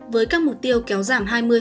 với các mục tiêu kéo giảm hai mươi